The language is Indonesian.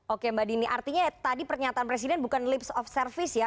oke mbak dini artinya tadi pernyataan presiden bukan lips of service ya